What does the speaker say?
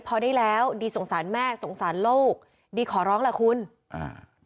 พอได้แล้วดีสงสารแม่สงสารลูกดีขอร้องล่ะคุณอ่า